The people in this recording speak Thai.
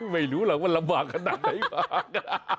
ไม่รู้หรอกมันลำบากขนาดไหนมาก